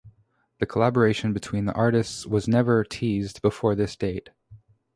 The collaboration between the artists was never teased before this date.